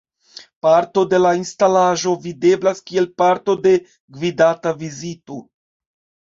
Parto de la instalaĵo videblas kiel parto de gvidata vizito.